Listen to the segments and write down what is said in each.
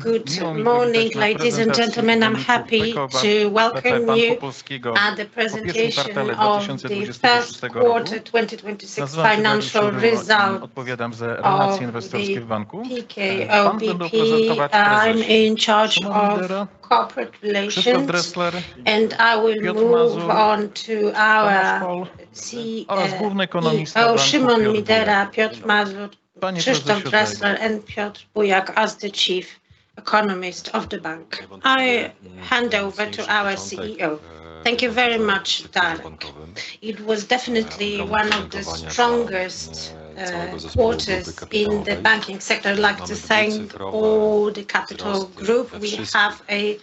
Good morning, ladies and gentlemen. I am happy to welcome you at the presentation of the first quarter 2026 financial result of the PKO BP. I am in charge of corporate relations, and I will move on to our CEO, Szymon Midera, Piotr Mazur, Krzysztof Dresler, and Piotr Bujak as the Chief Economist of the bank. I hand over to our CEO. Thank you very much, Dariusz Choryło. It was definitely one of the strongest quarters in the banking sector. I'd like to thank all the Capital Group. We have a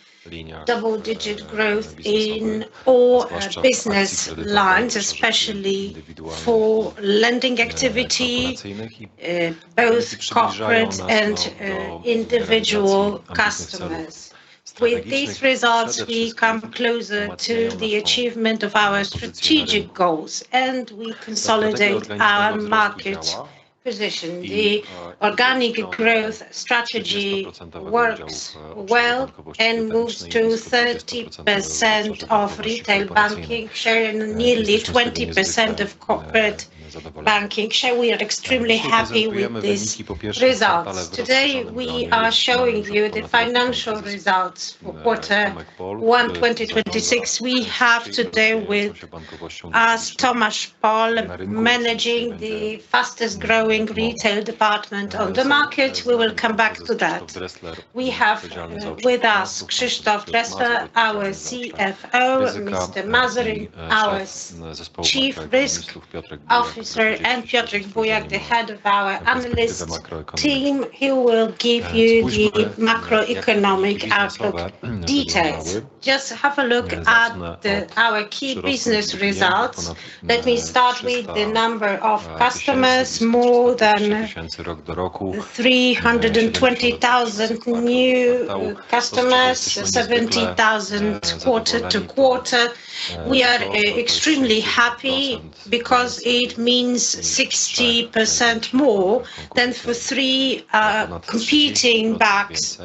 double-digit growth in all business lines, especially for lending activity, both corporate and individual customers. With these results, we come closer to the achievement of our strategic goals, and we consolidate our market position. The organic growth strategy works well and moves to 30% of retail banking share and nearly 20% of corporate banking share. We are extremely happy with these results. Today, we are showing you the financial results for quarter 1 2026. We have today with us Tomasz Pol, managing the fastest growing retail department on the market. We will come back to that. We have with us Krzysztof Dresler, our CFO, Piotr Mazur, our Chief Risk Officer, and Piotr Bujak, the Head of our Analyst Team, who will give you the macroeconomic outlook details. Just have a look at the our key business results. Let me start with the number of customers, more than 320,000 new customers, 70,000 quarter-to-quarter. We are extremely happy because it means 60% more than for 3 competing banks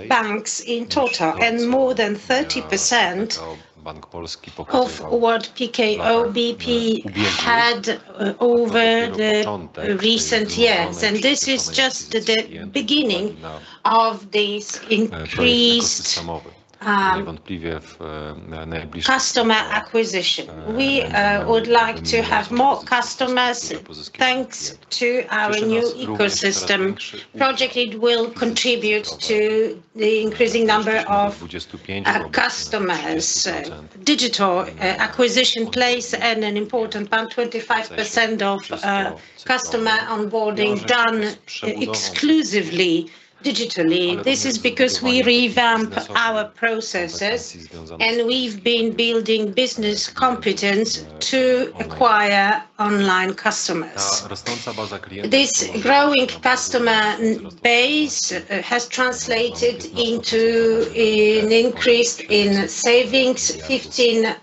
in total and more than 30% of what PKO BP had over the recent years. This is just the beginning of this increased customer acquisition. We would like to have more customers thanks to our new ecosystem project. It will contribute to the increasing number of customers. Digital acquisition plays an important part. 25% of customer onboarding done exclusively digitally. This is because we revamp our processes, and we've been building business competence to acquire online customers. This growing customer base has translated into an increase in savings, 15%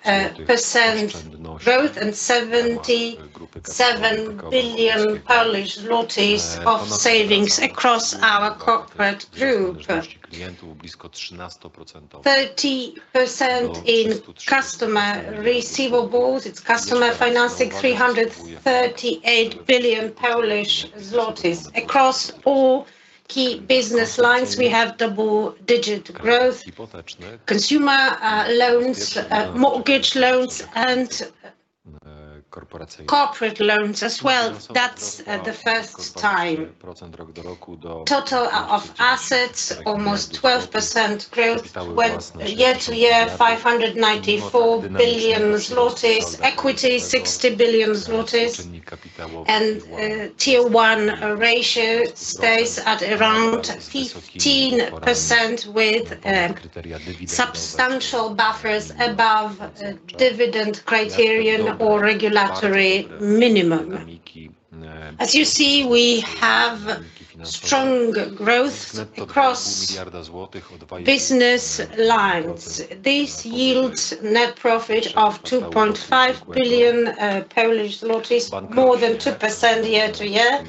growth, and 77 billion of savings across our corporate group. 30% in customer receivables. It's customer financing, 338 billion Polish zlotys. Across all key business lines, we have double-digit growth. Consumer loans, mortgage loans, and corporate loans as well. That's the first time. Total of assets, almost 12% growth year-over-year, 594 billion zlotys. Equity, 60 billion zlotys. Tier 1 ratio stays at around 15% with substantial buffers above dividend criterion or regulatory minimum. As you see, we have strong growth across business lines. This yields net profit of 2.5 billion, more than 2% year-over-year.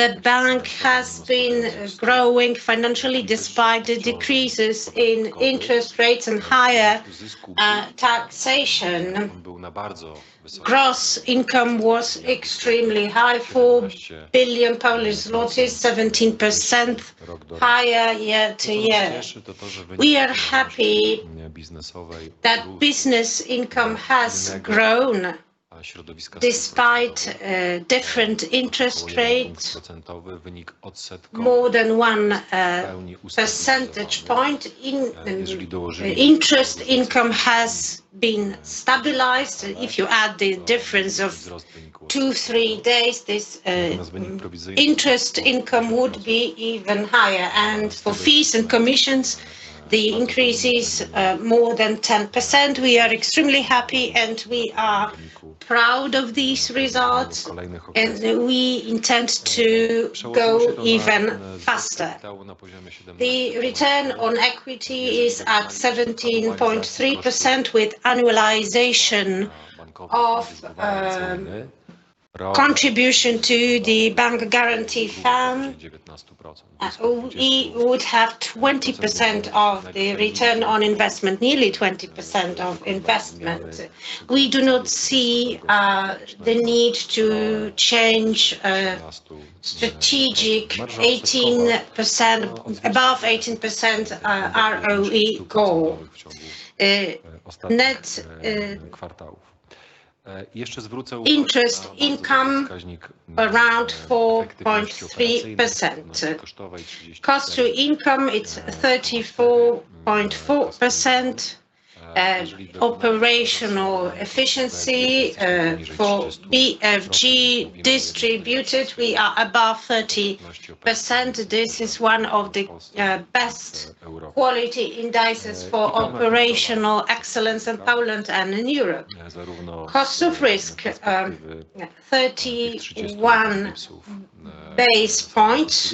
The bank has been growing financially despite the decreases in interest rates and higher taxation. Gross income was extremely high, 4 billion Polish zlotys, 17% higher year-over-year. We are happy that business income has grown despite different interest rates. More than 1 percentage point in interest income has been stabilized. If you add the difference of 2, 3 days, this interest income would be even higher. For fees and commissions, the increase is more than 10%. We are extremely happy, and we are proud of these results. We intend to go even faster. The return on equity is at 17.3% with annualization of contribution to the Bank Guarantee Fund. We would have 20% of the return on investment, nearly 20% of investment. We do not see the need to change strategic 18%, above 18%, ROE goal. Net interest income around 4.3%. Cost-to-income, it's 34.4%. Operational efficiency for BFG distributed, we are above 30%. This is one of the best quality indices for operational excellence in Poland and in Europe. Cost of risk, 31 basis points.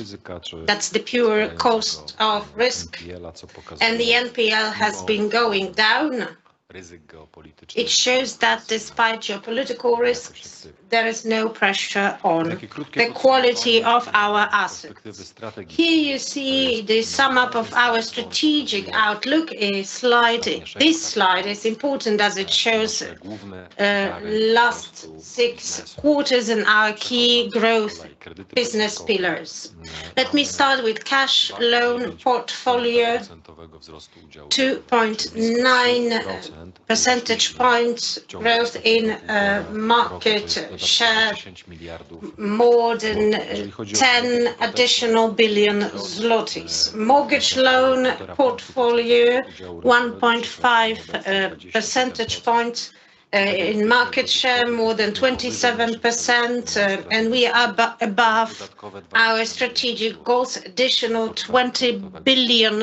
That's the pure cost of risk. The NPL has been going down. It shows that despite geopolitical risks, there is no pressure on the quality of our assets. Here you see the sum up of our strategic outlook, a slide. This slide is important as it shows last six quarters in our key growth business pillars. Let me start with cash loan portfolio. 2.9 percentage points growth in market share. More than 10 billion zlotys. mortgage loan portfolio, 1.5 percentage point in market share, more than 27%, and we are above our strategic goals. Additional 20 billion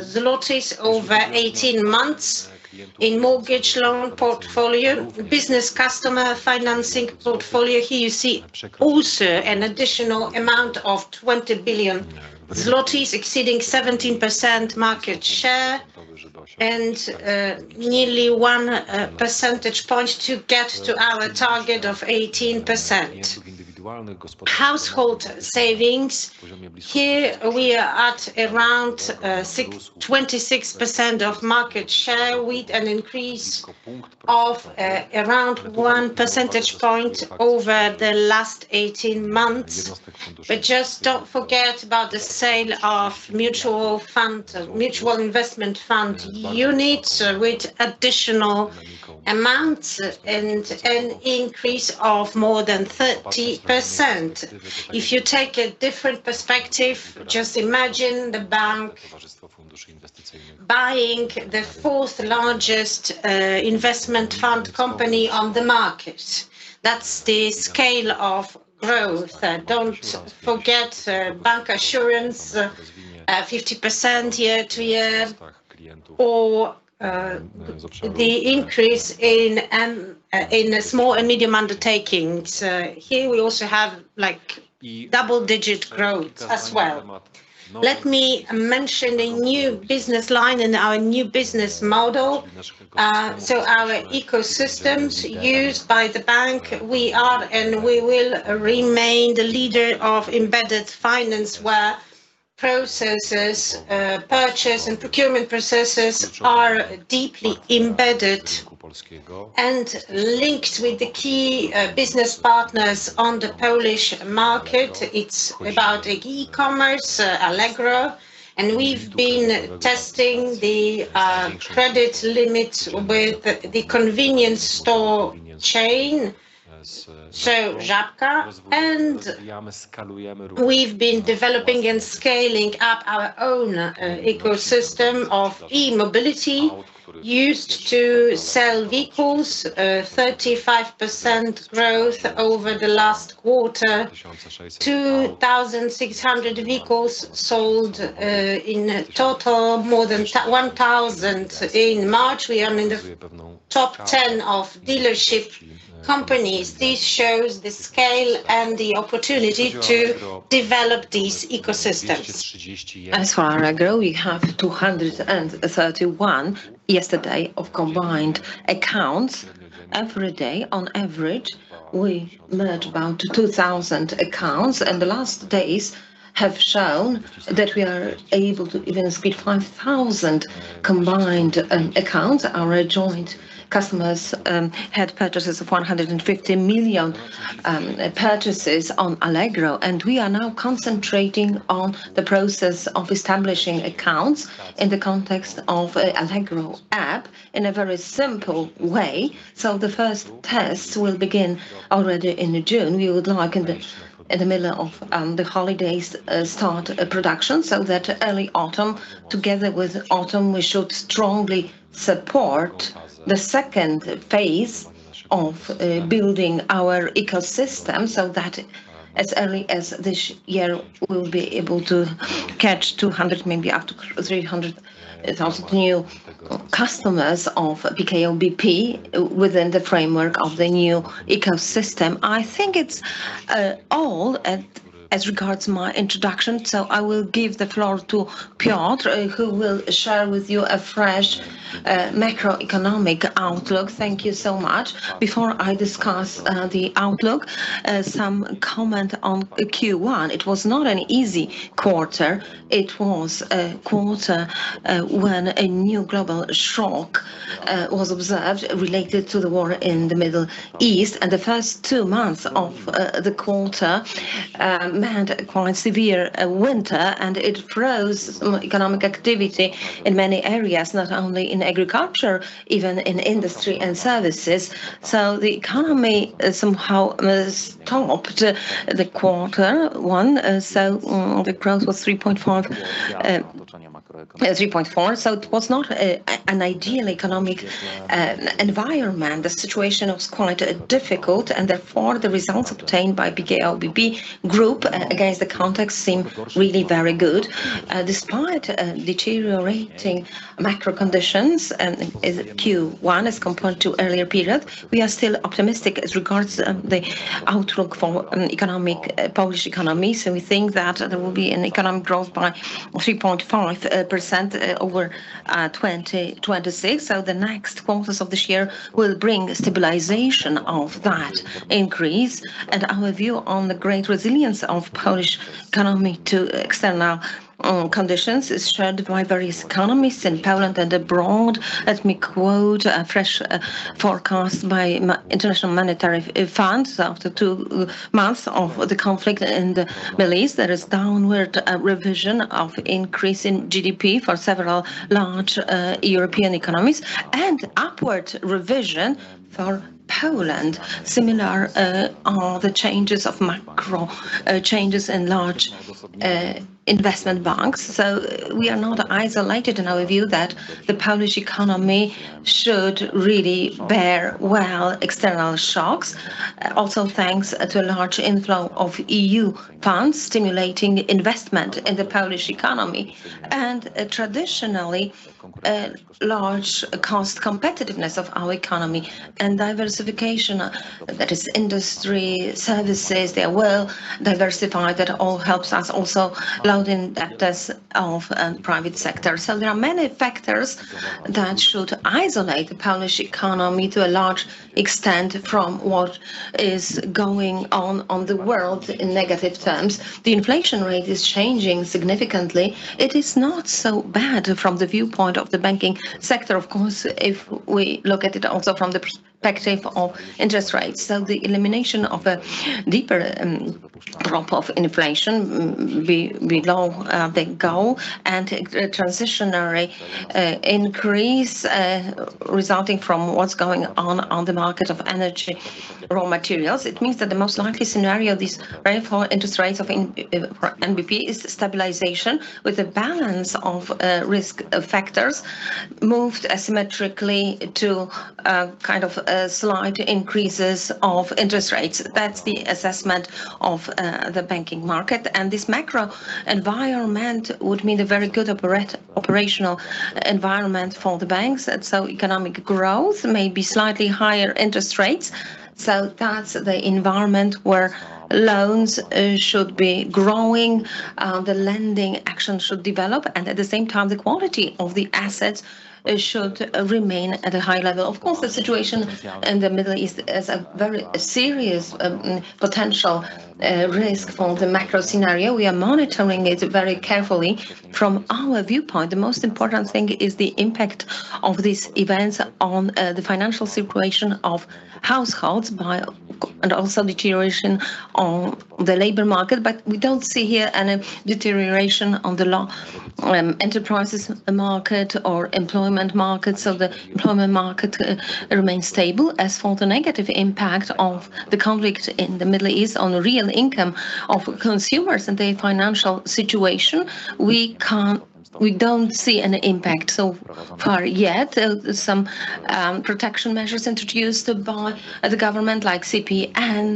zlotys over 18 months in mortgage loan portfolio. Business customer financing portfolio. Here you see also an additional amount of 20 billion zlotys exceeding 17% market share and nearly 1 percentage point to get to our target of 18%. Household savings. Here we are at around 26% of market share with an increase of around 1 percentage point over the last 18 months. Just don't forget about the sale of mutual fund, mutual investment fund units with additional amounts and an increase of more than 30%. If you take a different perspective, just imagine the bank buying the 4th-largest investment fund company on the market. That's the scale of growth. Don't forget bancassurance at 50% year-over-year or the increase in small and medium undertakings. Here we also have, like, double-digit growth as well. Let me mention a new business line in our new business model. Our ecosystems used by the bank, we are and we will remain the leader of embedded finance where processes, purchase and procurement processes are deeply embedded and linked with the key business partners on the Polish market. It's about e-commerce, Allegro, we've been testing the credit limit with the convenience store chain. Żabka. We've been developing and scaling up our own ecosystem of e-mobility used to sell vehicles. 35% growth over the last quarter. 2,600 vehicles sold in total. More than 1,000 in March. We are in the top 10 of dealership companies. This shows the scale and the opportunity to develop these ecosystems. As for Allegro, we have 231 yesterday of combined accounts. Every day on average, we merge about 2,000 accounts. The last days have shown that we are able to even split 5,000 combined accounts. Our joint customers had purchases of 150 million purchases on Allegro. We are now concentrating on the process of establishing accounts in the context of Allegro app in a very simple way. The first tests will begin already in June. We would like in the middle of the holidays start a production so that early autumn, together with autumn, we should strongly support the second phase of building our ecosystem so that as early as this year we'll be able to catch 200, maybe up to 300,000 new customers of PKO BP within the framework of the new ecosystem. I think it's all. As regards my introduction. I will give the floor to Piotr, who will share with you a fresh macroeconomic outlook. Thank you so much. Before I discuss the outlook, some comment on Q1. It was not an easy quarter. It was a quarter when a new global shock was observed related to the war in the Middle East. The first two months of the quarter had quite severe winter, and it froze economic activity in many areas, not only in agriculture, even in industry and services. The economy somehow stopped the quarter 1. The growth was 3.5%, 3.4%. It was not an ideal economic environment. The situation was quite difficult, and therefore, the results obtained by PKO BP Group against the context seemed really very good. Despite deteriorating macro conditions in Q1 as compared to earlier period, we are still optimistic as regards the outlook for an economic, Polish economy. We think that there will be an economic growth by 3.5% over 2026. The next quarters of this year will bring stabilization of that increase. Our view on the great resilience of Polish economy to external conditions is shared by various economists in Poland and abroad. Let me quote a fresh forecast by International Monetary Fund. After two months of the conflict in the Middle East, there is downward revision of increase in GDP for several large European economies and upward revision for Poland. Similar are the changes of macro changes in large investment banks. We are not isolated in our view that the Polish economy should really bear well external shocks, also thanks to a large inflow of EU funds stimulating investment in the Polish economy. Traditionally, large cost competitiveness of our economy and diversification, that is industry, services, they are well diversified. That all helps us also, allowing debtors of private sector. There are many factors that should isolate the Polish economy to a large extent from what is going on on the world in negative terms. The inflation rate is changing significantly. It is not so bad from the viewpoint of the banking sector, of course, if we look at it also from the perspective of interest rates. The elimination of a deeper drop of inflation below the goal and a transitionary increase resulting from what's going on on the market of energy, raw materials. It means that the most likely scenario, this very for interest rates of in for NBP, is stabilization with a balance of risk factors moved asymmetrically to kind of slight increases of interest rates. That's the assessment of the banking market. This macro environment would mean a very good operational environment for the banks. Economic growth may be slightly higher interest rates. That's the environment where loans should be growing, the lending action should develop and, at the same time, the quality of the assets should remain at a high level. Of course, the situation in the Middle East is a very serious potential risk for the macro scenario. We are monitoring it very carefully. From our viewpoint, the most important thing is the impact of these events on the financial situation of households by and also deterioration of the labor market. We don't see here any deterioration on the enterprises market or employment market. The employment market remains stable. As for the negative impact of the conflict in the Middle East on real income of consumers and their financial situation, we don't see any impact so far yet. Some protection measures introduced by the government, like CP and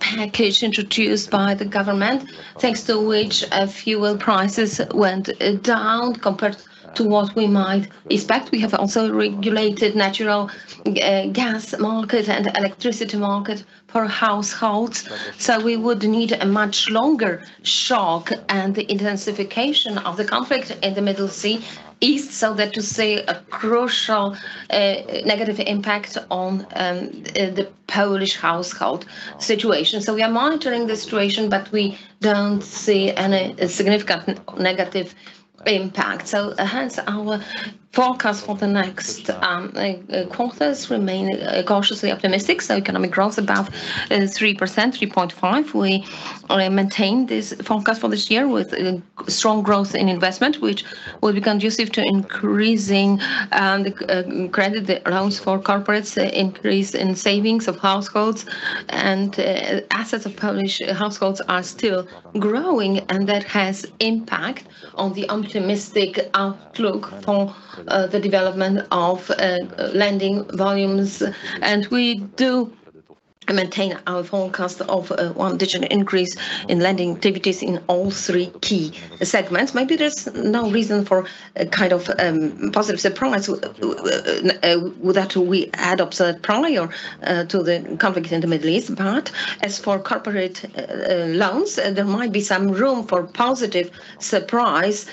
package introduced by the government, thanks to which, fuel prices went down compared to what we might expect. We have also regulated natural gas market and electricity market for households. We would need a much longer shock and the intensification of the conflict in the Middle East, so that to say a crucial negative impact on the Polish household situation. We are monitoring the situation, but we don't see any significant negative impact. Hence our forecast for the next quarters remain cautiously optimistic. Economic growth about 3%, 3.5%. We maintain this forecast for this year with strong growth in investment, which will be conducive to increasing the credit loans for corporates, increase in savings of households. And assets of Polish households are still growing, and that has impact on the optimistic outlook for the development of lending volumes. We maintain our forecast of a one-digit increase in lending activities in all three key segments. Maybe there's no reason for a kind of positive surprise without we add upside probably or to the conflict in the Middle East. As for corporate loans, there might be some room for positive surprise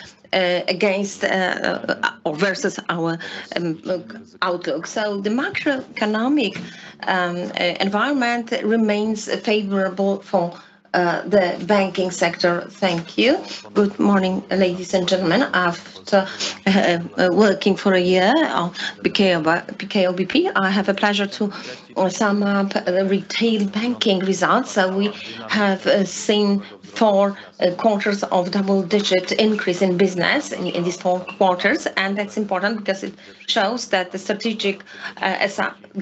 against or versus our look, outlook. The macroeconomic environment remains favorable for the banking sector. Thank you. Good morning, ladies and gentlemen. After working for a year, I'll be here about PKO BP, I have a pleasure to sum up the retail banking results. We have seen four quarters of double-digit increase in business in these four quarters, and that's important because it shows that the strategic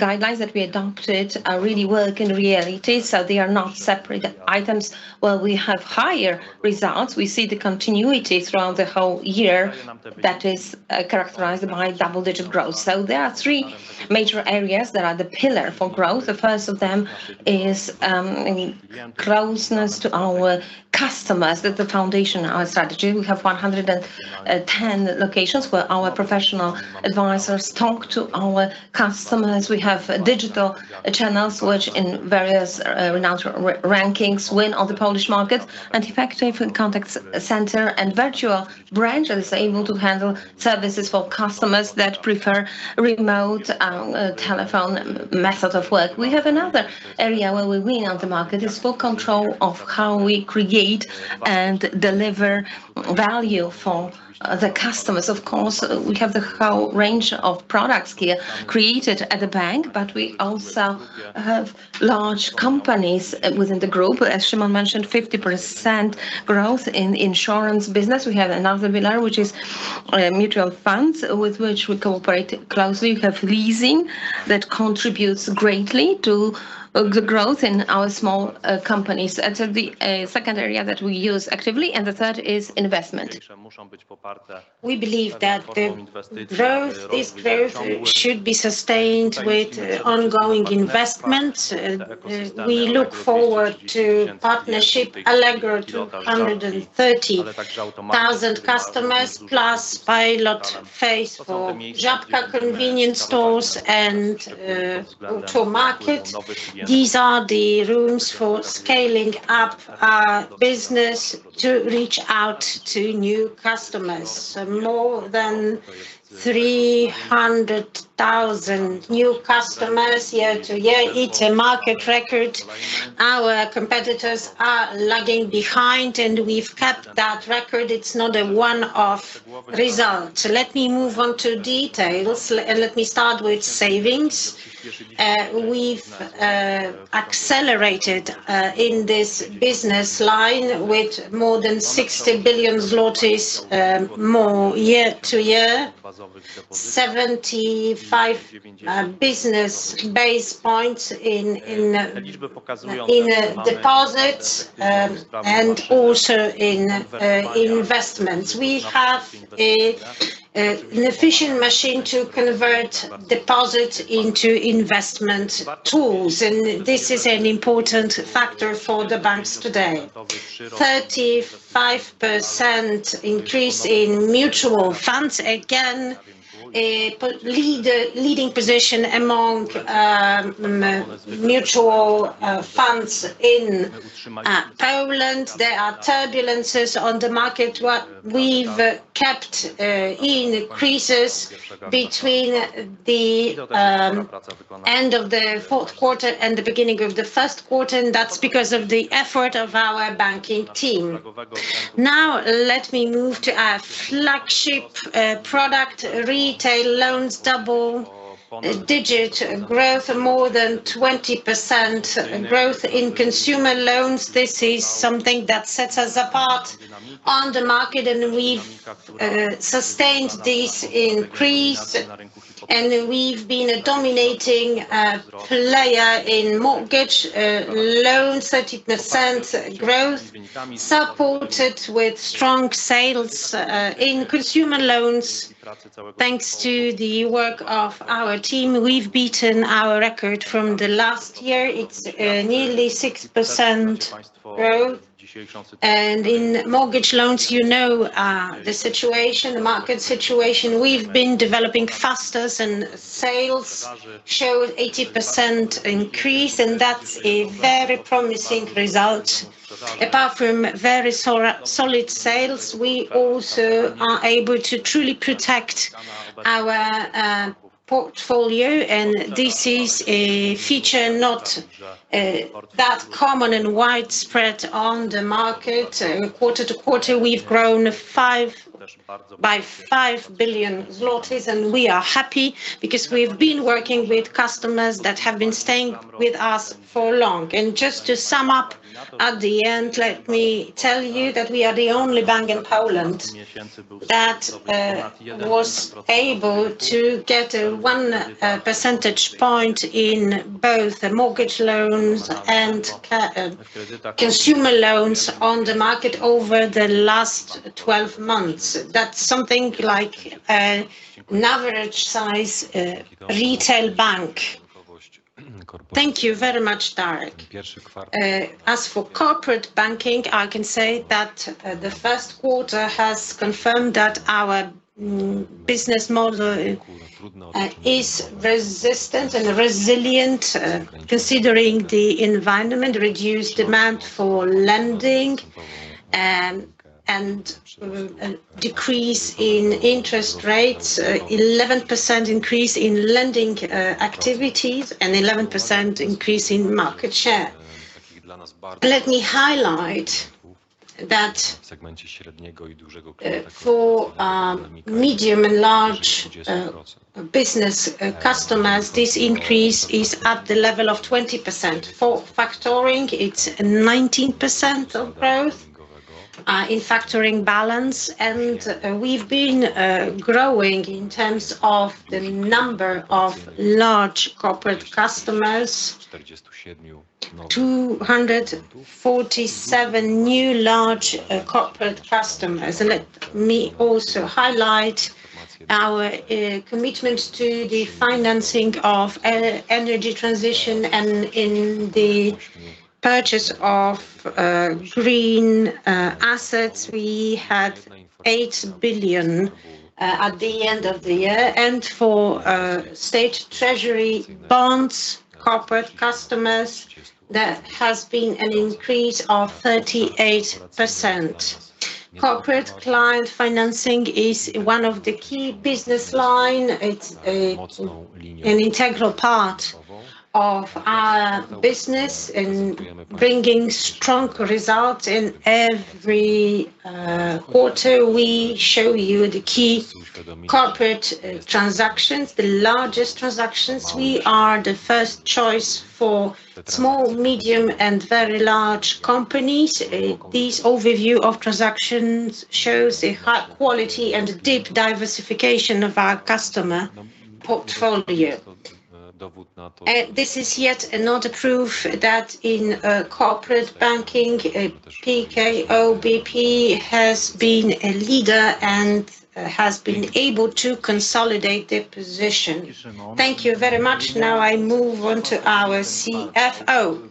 guidelines that we adopted really work in reality, so they are not separate items. While we have higher results, we see the continuity throughout the whole year that is characterized by double-digit growth. There are three major areas that are the pillar for growth. The first of them is, I mean, closeness to our customers. That's the foundation of our strategy. We have 110 locations where our professional advisors talk to our customers. We have digital channels which in various rankings win on the Polish market. Effective contact center and virtual branches able to handle services for customers that prefer remote telephone methods of work. We have another area where we win on the market, is full control of how we create and deliver value for the customers. Of course, we have the whole range of products here created at the bank, but we also have large companies within the group. As Szymon mentioned, 50% growth in insurance business. We have another pillar, which is mutual funds, with which we cooperate closely. We have leasing that contributes greatly to the growth in our small companies. That's the second area that we use actively, and the third is investment. We believe that the growth, this growth should be sustained with ongoing investment. We look forward to partnership. Allegro, 230,000 customers, plus pilot phase for Żabka convenience stores and Automarket. These are the rooms for scaling up our business to reach out to new customers. More than 300,000 new customers year-to-year. It's a market record. Our competitors are lagging behind, and we've kept that record. It's not a one-off result. Let me move on to details. Let me start with savings. We've accelerated in this business line with more than 60 billion zlotys more year-to-year. 75 basis points in deposits and also in investments. We have an efficient machine to convert deposits into investment tools, and this is an important factor for the banks today. 35% increase in mutual funds. Again, a leading position among mutual funds in Poland. There are turbulences on the market. What we've kept, increases between the end of the fourth quarter and the beginning of the first quarter. That's because of the effort of our banking team. Now let me move to our flagship product. Retail loans, double-digit growth, more than 20% growth in consumer loans. This is something that sets us apart on the market. We've sustained this increase. We've been a dominating player in mortgage loans, 30% growth, supported with strong sales in consumer loans. Thanks to the work of our team, we've beaten our record from the last year. It's nearly 6% growth. In mortgage loans, you know, the situation, the market situation. We've been developing faster. Sales show 80% increase. That's a very promising result. Apart from very solid sales, we also are able to truly protect our portfolio, and this is a feature not that common and widespread on the market. Quarter to quarter, we've grown by 5 billion zlotys, and we are happy because we've been working with customers that have been staying with us for long. Just to sum up at the end, let me tell you that we are the only bank in Poland that was able to get 1 percentage point in both mortgage loans and consumer loans on the market over the last 12 months. That's something like an average size retail bank. Thank you very much, Darek. As for corporate banking, I can say that the first quarter has confirmed that our business model is resistant and resilient, considering the environment, reduced demand for lending, and a decrease in interest rates. 11% increase in lending activities, 11% increase in market share. Let me highlight that, for medium and large business customers, this increase is at the level of 20%. For factoring, it's 19% of growth in factoring balance. We've been growing in terms of the number of large corporate customers. 247 new large corporate customers. Let me also highlight our commitment to the financing of e-energy transition and in the purchase of green assets. We have 8 billion at the end of the year. For state treasury bonds, corporate customers, there has been an increase of 38%. Corporate client financing is one of the key business line. It's an integral part of our business in bringing strong results. In every quarter, we show you the key corporate transactions, the largest transactions. We are the first choice for small, medium, and very large companies. This overview of transactions shows a high quality and deep diversification of our customer portfolio. This is yet another proof that in corporate banking, PKO BP has been a leader and has been able to consolidate their position. Thank you very much. Now I move on to our CFO.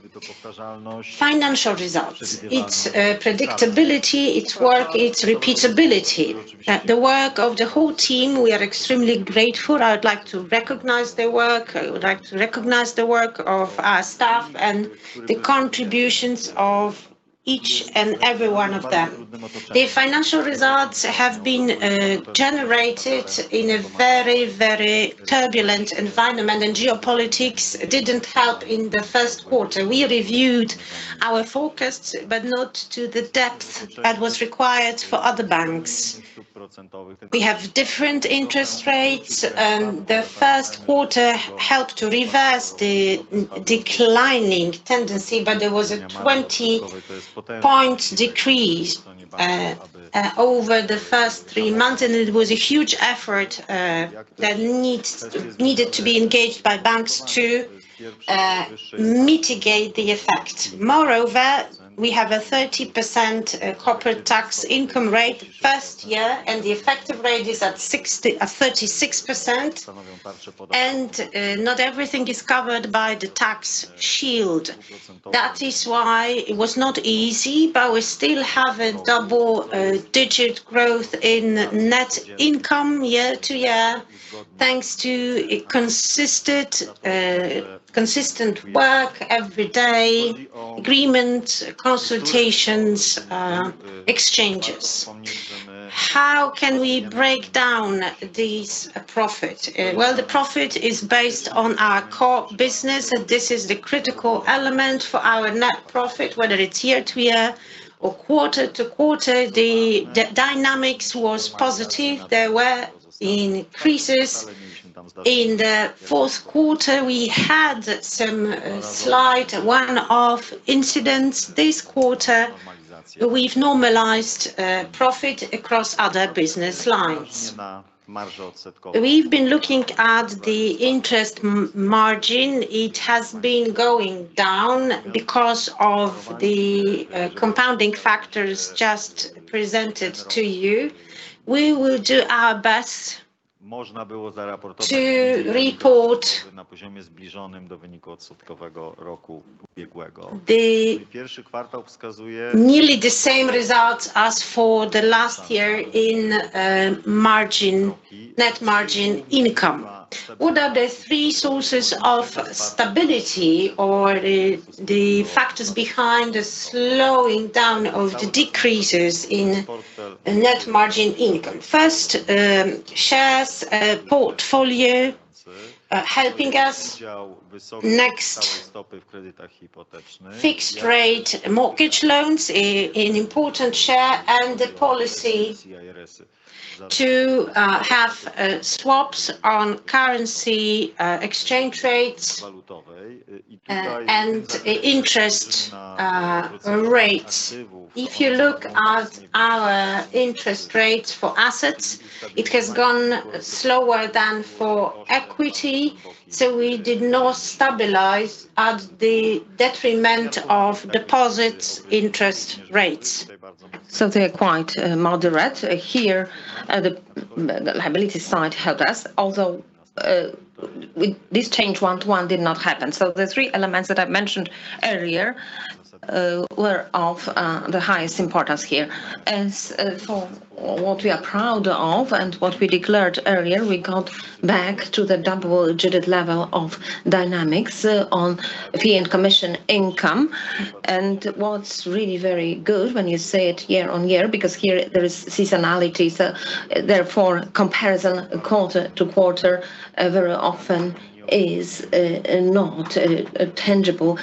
Financial results. It's predictability, it's work, it's repeatability. The work of the whole team, we are extremely grateful. I would like to recognize their work. I would like to recognize the work of our staff and the contributions of each and every one of them. The financial results have been generated in a very, very turbulent environment. Geopolitics didn't help in the first quarter. We reviewed our forecasts, not to the depth that was required for other banks. We have different interest rates. The first quarter helped to reverse the declining tendency, but there was a 20-point decrease over the first 3 months. It was a huge effort that needed to be engaged by banks to mitigate the effect. Moreover, we have a 30% corporate tax income rate first year. The effective rate is at 36%. Not everything is covered by the tax shield. That is why it was not easy, we still have a double digit growth in net income year to year, thanks to a consistent work every day, agreements, consultations, exchanges. How can we break down this profit? Well, the profit is based on our core business. This is the critical element for our net profit, whether it's year to year or quarter to quarter. The dynamics was positive. There were increases. In the fourth quarter, we had some slight one-off incidents. This quarter, we've normalized profit across other business lines. We've been looking at the interest margin. It has been going down because of the compounding factors just presented to you. We will do our best to report the nearly the same results as for the last year in margin, net margin income. What are the three sources of stability or the factors behind the slowing down of the decreases in net interest income? First, shares portfolio helping us. Next, fixed rate mortgage loans, an important share, and the policy to have swaps on currency exchange rates and interest rates. If you look at our interest rates for assets, it has gone slower than for equity, so we did not stabilize at the detriment of deposits interest rates. They're quite moderate. Here, the liability side helped us, although this change one to one did not happen. The three elements that I've mentioned earlier were of the highest importance here. As for what we are proud of and what we declared earlier, we got back to the double-digit level of dynamics on fee and commission income. What's really very good when you say it year on year, because here there is seasonality, so therefore comparison quarter to quarter very often is not tangible.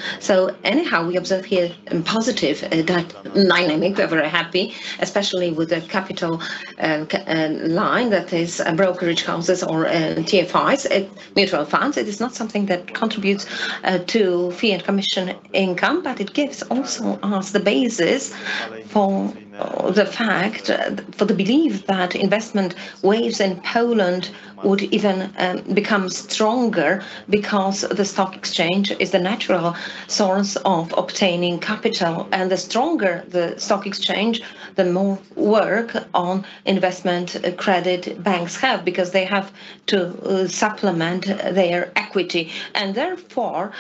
Anyhow, we observe here a positive dynamic. We're very happy, especially with the capital line that is brokerage houses or TFIs, mutual funds. It is not something that contributes to fee and commission income. It gives also us the basis for the fact, for the belief that investment waves in Poland would even become stronger because the stock exchange is a natural source of obtaining capital. The stronger the stock exchange, the more work on investment credit banks have, because they have to supplement their equity. Therefore,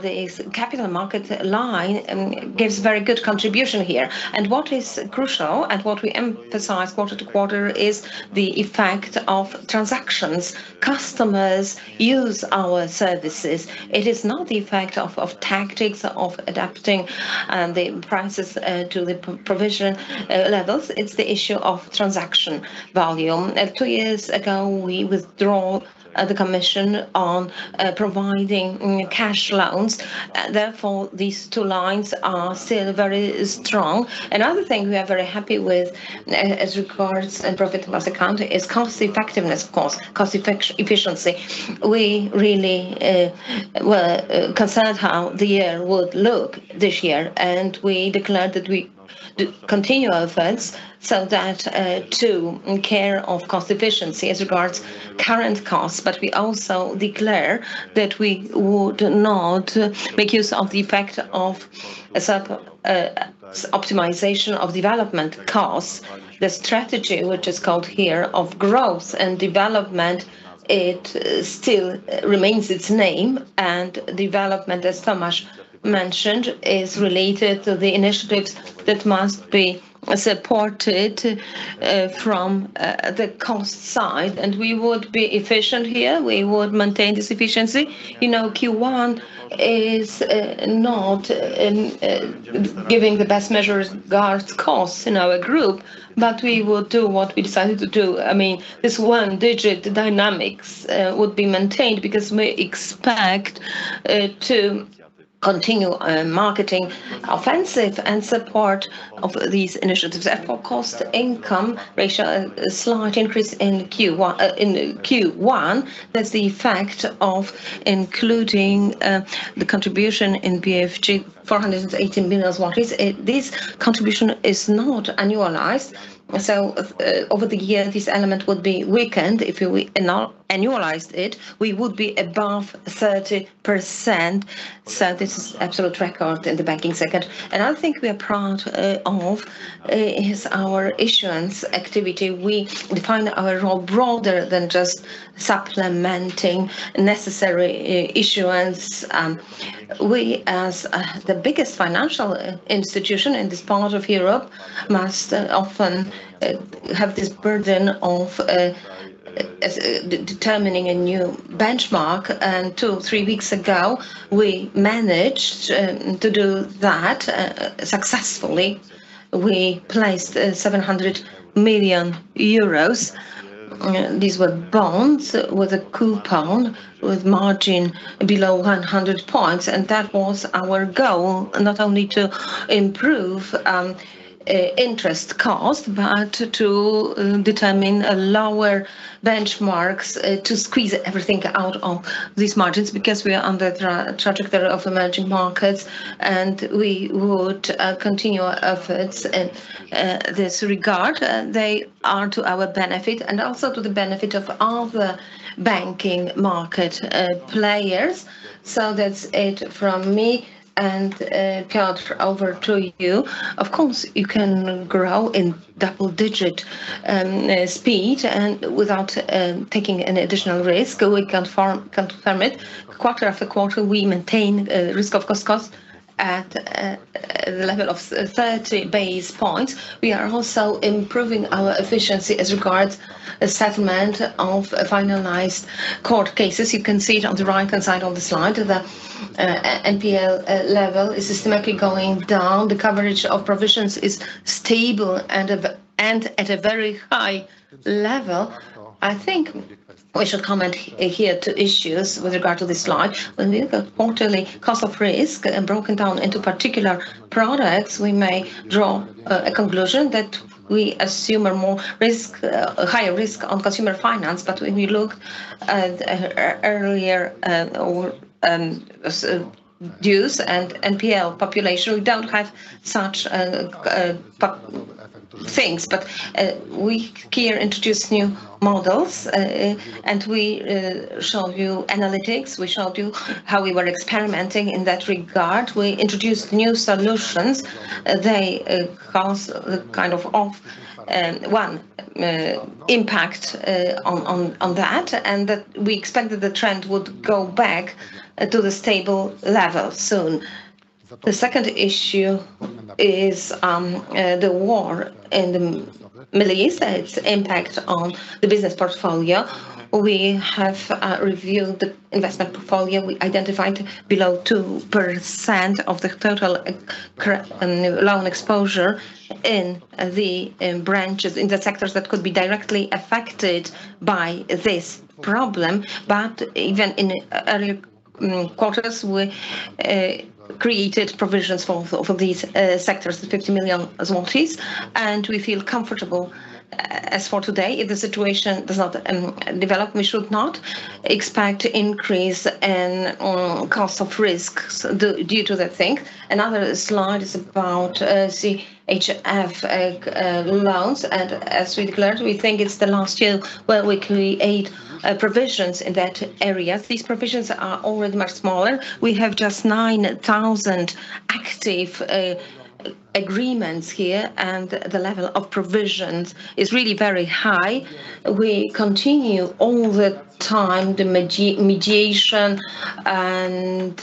this capital market line gives very good contribution here. What is crucial and what we emphasize quarter to quarter is the effect of transactions. Customers use our services. It is not the effect of tactics, of adapting the prices to the provision levels. It's the issue of transaction volume. Two years ago we withdraw the commission on providing cash loans. Therefore these two lines are still very strong. Another thing we are very happy with, as regards Profit Plus account, is cost effectiveness, of course, cost efficiency. We really were concerned how the year would look this year, and we declared that we'd continue our efforts so that to care of cost efficiency as regards current costs. We also declare that we would not make use of the effect of a certain optimization of development costs. The strategy, which is called here of growth and development, it still remains its name. Development, as Tomasz mentioned, is related to the initiatives that must be supported from the cost side, and we would be efficient here. We would maintain this efficiency. You know, Q1 is not giving the best measure regards costs in our group. We will do what we decided to do. I mean, this one-digit dynamics would be maintained because we expect to continue a marketing offensive and support of these initiatives. For cost income ratio, a slight increase in Q1. That's the effect of including the contribution in BFG 418 million. This contribution is not annualized, over the year this element would be weakened. If we annualized it, we would be above 30%. This is absolute record in the banking sector. Another thing we are proud of is our issuance activity. We define our role broader than just supplementing necessary issuance. We as the biggest financial institution in this part of Europe must often have this burden of determining a new benchmark. Two, three weeks ago, we managed to do that successfully. We placed 700 million euros. These were bonds with a coupon with margin below 100 basis points. That was our goal, not only to improve interest cost, but to determine a lower benchmarks, to squeeze everything out of these margins because we are under the trajectory of emerging markets. We would continue our efforts in this regard. They are to our benefit and also to the benefit of other banking market players. That's it from me. Piotr, over to you. Of course, you can grow in double digit speed and without taking any additional risk. We can confirm it. Quarter after quarter, we maintain cost of risk at the level of 30 basis points. We are also improving our efficiency as regards a settlement of finalized court cases. You can see it on the right-hand side on the slide. The NPL level is systematically going down. The coverage of provisions is stable and at a very high level. I think we should comment here two issues with regard to this slide. When we look at quarterly cost of risk broken down into particular products, we may draw a conclusion that we assume a more risk, a higher risk on consumer finance. When we look at early overdues and NPL population, we don't have such Things, but we here introduce new models and we show you analytics. We showed you how we were experimenting in that regard. We introduced new solutions. They cause kind of off one impact on that, we expect that the trend would go back to the stable level soon. The second issue is the war in the Middle East, its impact on the business portfolio. We have reviewed the investment portfolio. We identified below 2% of the total loan exposure in the branches, in the sectors that could be directly affected by this problem. Even in earlier quarters, we created provisions for these sectors, the 50 million zlotys. We feel comfortable as for today. If the situation does not develop, we should not expect increase in on cost of risks due to that thing. Another slide is about CHF loans. As we declared, we think it's the last year where we create provisions in that area. These provisions are already much smaller. We have just 9,000 active agreements here, and the level of provisions is really very high. We continue all the time the mediation and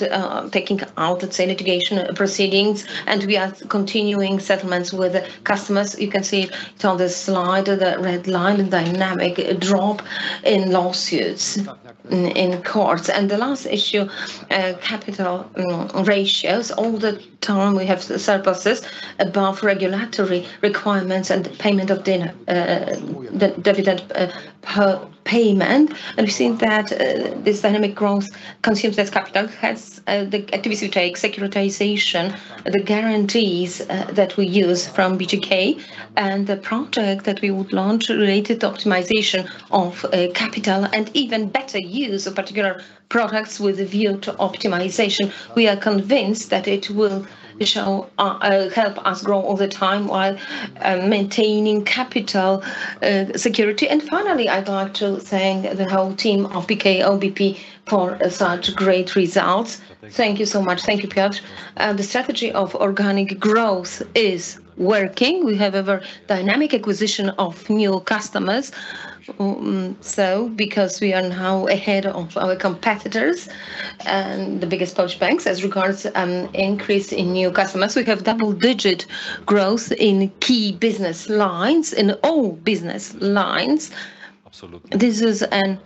taking out the same litigation proceedings, and we are continuing settlements with customers. You can see it on the slide, the red line, the dynamic drop in lawsuits in courts. The last issue, capital ratios. All the time we have surpluses above regulatory requirements and payment of the dividend payment. We've seen that this dynamic growth consumes less capital. Hence, the activities we take, securitization, the guarantees, that we use from BGK, and the project that we would launch related to optimization of capital, and even better use of particular products with a view to optimization. We are convinced that it will show, help us grow all the time while maintaining capital security. Finally, I'd like to thank the whole team of PKO BP for such great results. Thank you so much. Thank you, Piotr. The strategy of organic growth is working. We have a very dynamic acquisition of new customers. Because we are now ahead of our competitors and the biggest Polish banks as regards an increase in new customers. We have double-digit growth in key business lines, in all business lines. This is an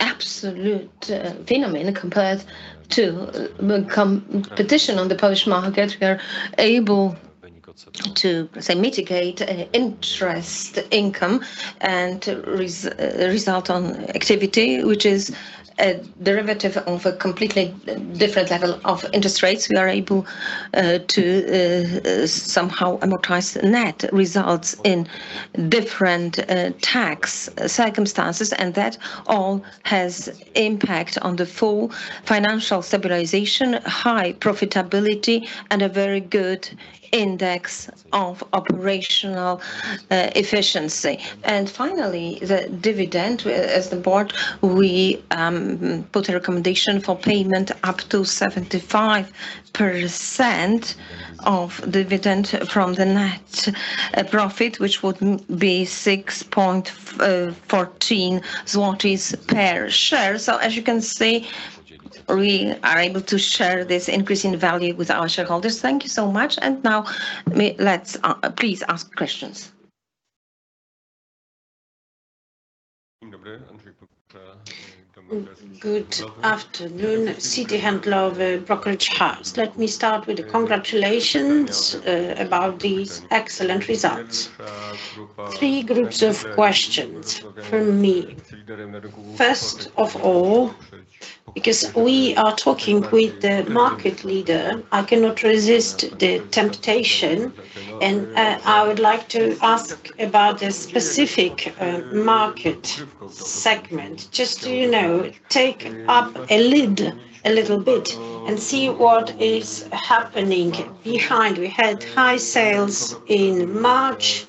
absolute phenomenon compared to competition on the Polish market. We are able to, say, mitigate interest income and result on activity, which is a derivative of a completely different level of interest rates. We are able to somehow amortize net results in different tax circumstances, that all has impact on the full financial stabilization, high profitability, and a very good index of operational efficiency. Finally, the dividend. We, as the board, we put a recommendation for payment up to 75% of dividend from the net profit, which would be 6.14 zlotys per share. As you can see, we are able to share this increase in value with our shareholders. Thank you so much. Now let's please ask questions. Good afternoon, Citi Handlowy Brokerage House. Let me start with congratulations about these excellent results. Three groups of questions from me. First of all, because we are talking with the market leader, I cannot resist the temptation, I would like to ask about the specific market segment. Just so you know, take up a lid a little bit and see what is happening behind. We had high sales in March,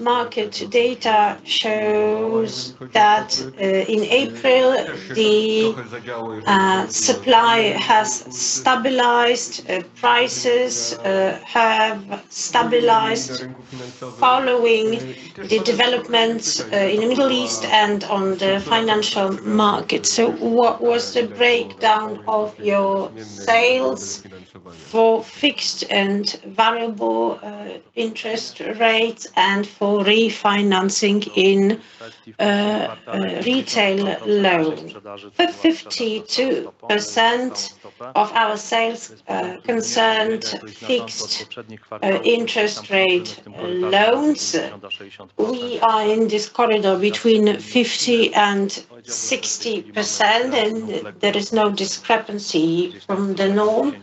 market data shows that in April, the supply has stabilized, prices have stabilized following the developments in the Middle East and on the financial market. What was the breakdown of your sales for fixed and variable interest rates and for refinancing in retail loan. The 52% of our sales concerned fixed interest rate loans. We are in this corridor between 50% and 60%, and there is no discrepancy from the norm.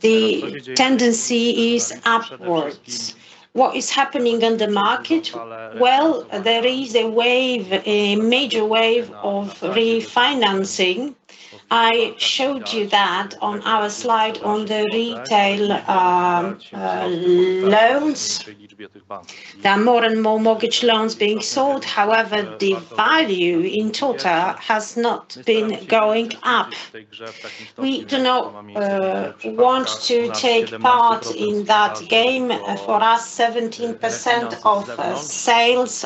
The tendency is upwards. What is happening in the market? Well, there is a wave, a major wave of refinancing. I showed you that on our slide on the retail loans. There are more and more mortgage loans being sold, however, the value in total has not been going up. We do not want to take part in that game. For us, 17% of sales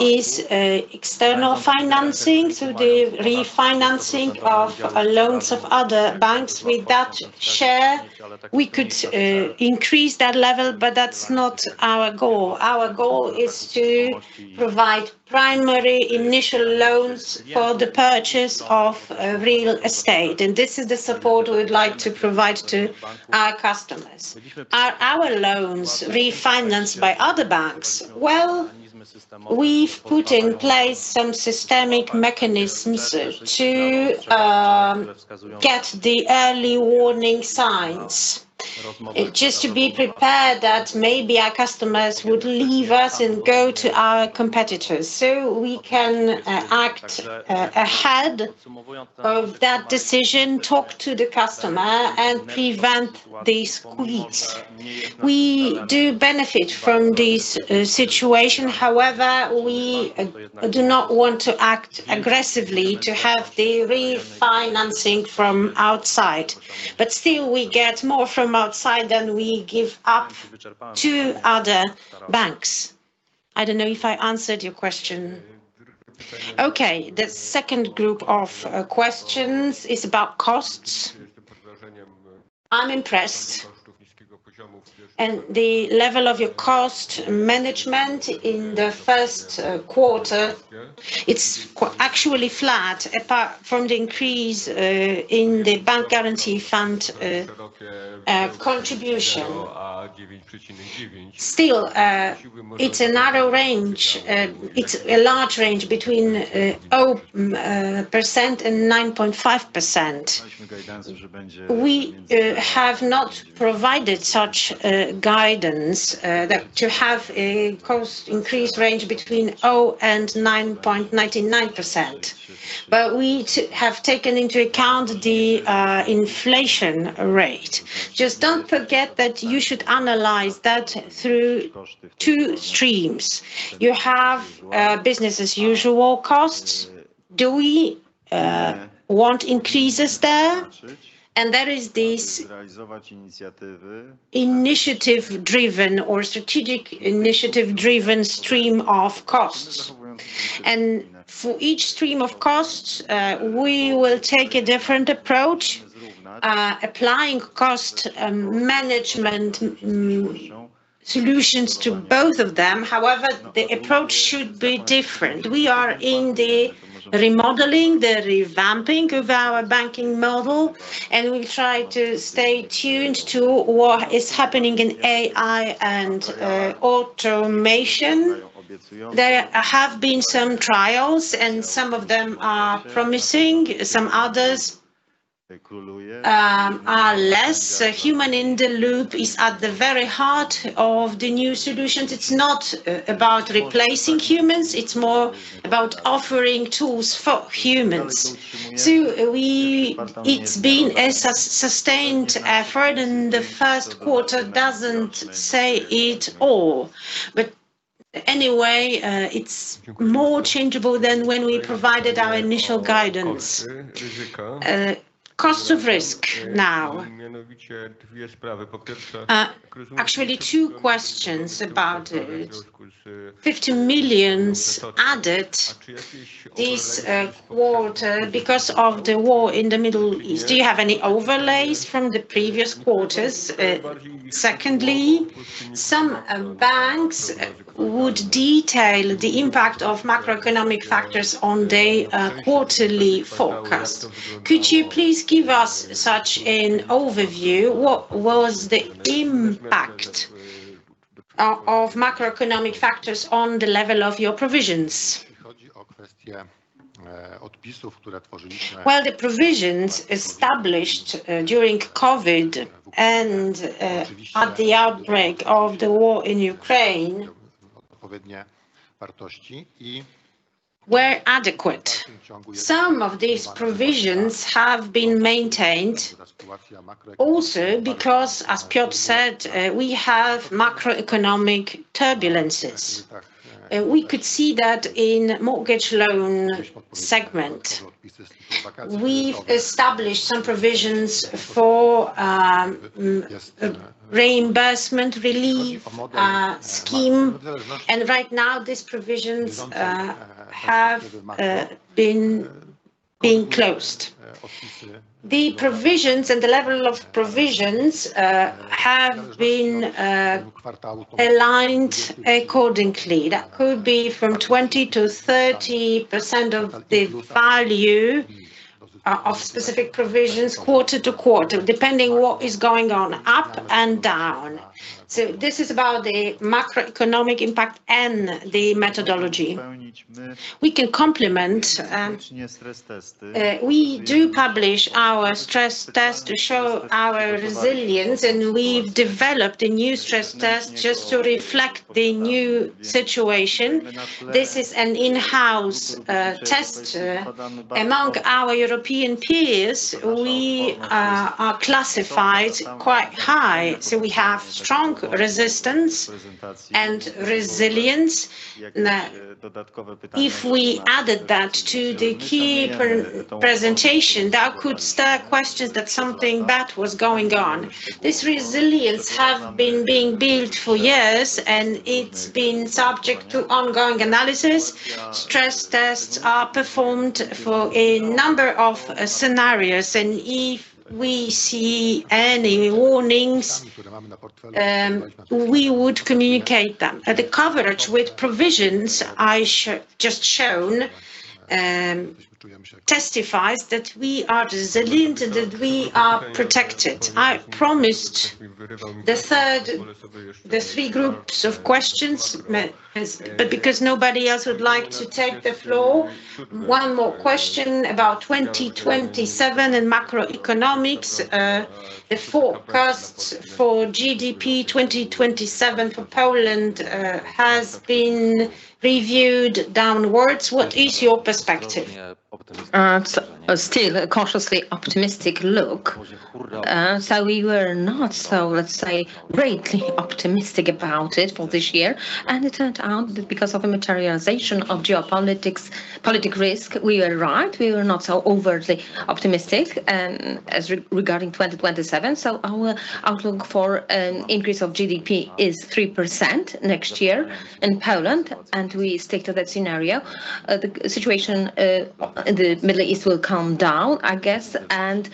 is external financing, so the refinancing of loans of other banks. With that share, we could increase that level, but that's not our goal. Our goal is to provide primary initial loans for the purchase of real estate, and this is the support we would like to provide to our customers. Are our loans refinanced by other banks? Well, we've put in place some systemic mechanisms to get the early warning signs. Just to be prepared that maybe our customers would leave us and go to our competitors, so we can act ahead of that decision, talk to the customer, and prevent the squeeze. We do benefit from this situation, however, we do not want to act aggressively to have the refinancing from outside. Still, we get more from outside than we give up to other banks. I don't know if I answered your question. Okay. The second group of questions is about costs. I'm impressed. The level of your cost management in the first quarter, it's actually flat, apart from the increase in the Bank Guarantee Fund contribution. Still, it's a narrow range. It's a large range between 0% and 9.5%. We have not provided such guidance that to have a cost increase range between 0 and 9.99%. We have taken into account the inflation rate. Just don't forget that you should analyze that through 2 streams. You have business-as-usual costs. Do we want increases there? There is this initiative-driven or strategic initiative-driven stream of costs. For each stream of costs, we will take a different approach, applying cost management solutions to both of them. However, the approach should be different. We are in the remodeling, the revamping of our banking model, and we'll try to stay tuned to what is happening in AI and automation. There have been some trials, some of them are promising. Some others are less. Human-in-the-loop is at the very heart of the new solutions. It's not about replacing humans, it's more about offering tools for humans. It's been a sustained effort, and the first quarter doesn't say it all. Anyway, it's more changeable than when we provided our initial guidance. Cost of risk now. Actually two questions about it. 50 million added this quarter because of the war in the Middle East. Do you have any overlays from the previous quarters? Secondly, some banks would detail the impact of macroeconomic factors on the quarterly forecast. Could you please give us such an overview? What was the impact of macroeconomic factors on the level of your provisions? The provisions established during COVID and at the outbreak of the war in Ukraine were adequate. Some of these provisions have been maintained also because, as Piotr said, we have macroeconomic turbulences. We could see that in mortgage loan segment. We've established some provisions for reimbursement relief scheme, and right now these provisions have been closed. The provisions and the level of provisions have been aligned accordingly. That could be from 20%-30% of the value of specific provisions quarter to quarter, depending what is going on, up and down. This is about the macroeconomic impact and the methodology. We can complement, we do publish our stress test to show our resilience, and we've developed a new stress test just to reflect the new situation. This is an in-house test. Among our European peers, we are classified quite high. We have strong resistance and resilience. If we added that to the key presentation, that could stir questions that something bad was going on. This resilience have been being built for years, and it's been subject to ongoing analysis. Stress tests are performed for a number of scenarios, and if we see any warnings, we would communicate them. The coverage with provisions I just shown, testifies that we are resilient and that we are protected. I promised the three groups of questions has, but because nobody else would like to take the floor, one more question about 2027 and macroeconomics. The forecasts for GDP 2027 for Poland has been reviewed downwards. What is your perspective? Still a cautiously optimistic look. We were not so, let's say, greatly optimistic about it for this year, and it turned out that because of the materialization of geopolitics, politic risk, we were right. We were not so overly optimistic, as regarding 2027. Our outlook for an increase of GDP is 3% next year in Poland, and we stick to that scenario. The situation in the Middle East will calm down, I guess, and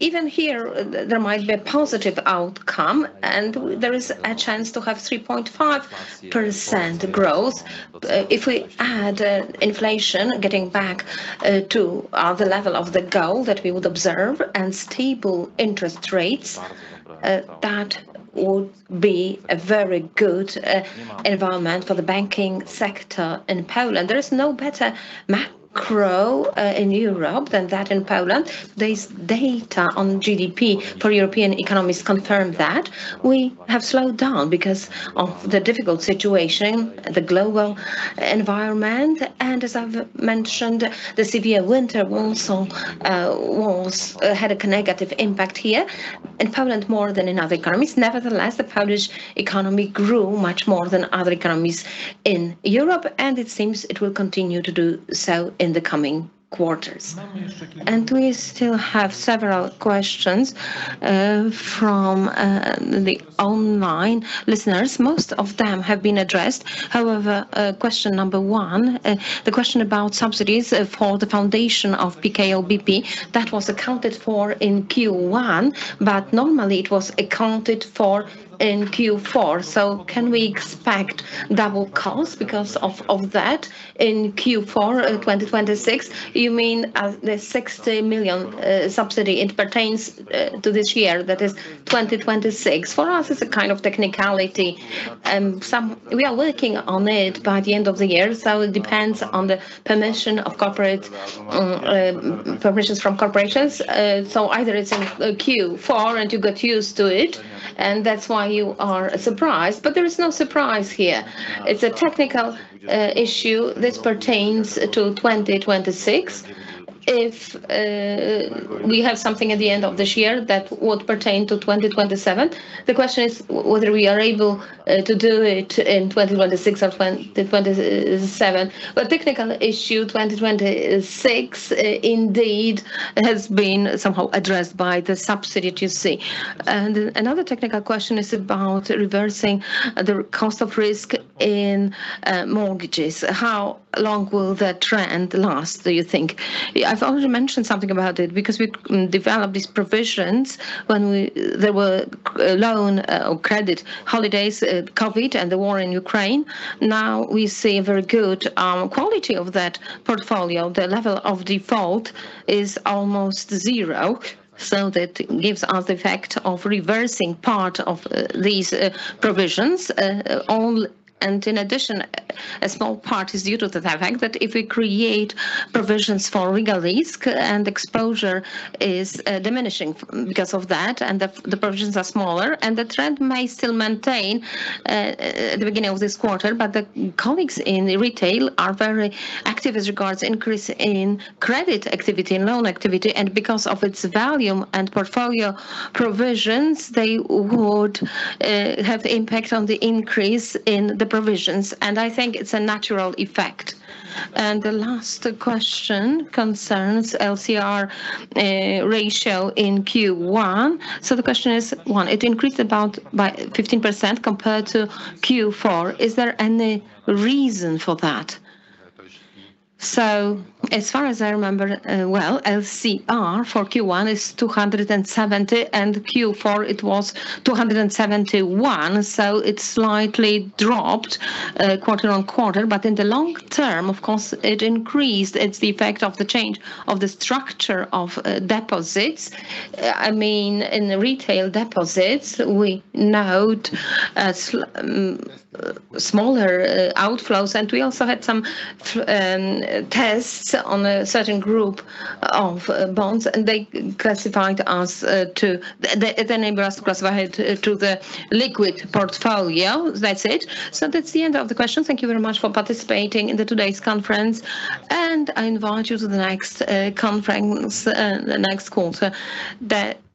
even here, there might be a positive outcome, and there is a chance to have 3.5% growth. If we add inflation, getting back to the level of the goal that we would observe and stable interest rates, that would be a very good environment for the banking sector in Poland. There is no better macro in Europe than that in Poland. There is data on GDP for European economies confirm that. We have slowed down because of the difficult situation, the global environment, and as I've mentioned, the severe winter also had a negative impact here in Poland more than in other economies. Nevertheless, the Polish economy grew much more than other economies in Europe, and it seems it will continue to do so in the coming quarters. We still have several questions from the online listeners. Most of them have been addressed. However, question number 1, the question about subsidies for the foundation of PKO BP that was accounted for in Q1, but normally it was accounted for in Q4. Can we expect double cost because of that in Q4 2026? You mean the 60 million subsidy, it pertains to this year, that is 2026. For us, it's a kind of technicality. We are working on it by the end of the year, it depends on the permission of corporate permissions from corporations. Either it's in Q4 and you get used to it, that's why you are surprised, there is no surprise here. It's a technical issue. This pertains to 2026. If we have something at the end of this year, that would pertain to 2027. The question is whether we are able to do it in 2026 or 2027. Technical issue, 2026, indeed has been somehow addressed by the subsidy that you see. Another technical question is about reversing the cost of risk in mortgages. How long will the trend last, do you think? I've already mentioned something about it, because we developed these provisions when we, there were loan, or credit holidays, COVID and the war in Ukraine. Now we see very good quality of that portfolio. The level of default is almost 0, that gives us the effect of reversing part of these provisions. All, in addition, a small part is due to the fact that if we create provisions for legal risk and exposure is diminishing because of that, the provisions are smaller, the trend may still maintain at the beginning of this quarter. The colleagues in retail are very active with regards increase in credit activity and loan activity, because of its volume and portfolio provisions, they would have impact on the increase in the provisions. I think it's a natural effect. The last question concerns LCR ratio in Q1. The question is, one, it increased about by 15% compared to Q4. Is there any reason for that? As far as I remember, well, LCR for Q1 is 270, and Q4 it was 271. It slightly dropped, quarter-on-quarter. In the long term, of course, it increased. It's the effect of the change of the structure of deposits. I mean, in retail deposits, we note smaller outflows. We also had some tests on a certain group of bonds, and they classified us to they enabled us to classify it to the liquid portfolio. That's it. That's the end of the questions. Thank you very much for participating in the today's conference. I invite you to the next conference, the next call.